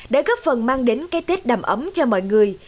đã góp phần mang đến cái tết đầm ấm cho mọi người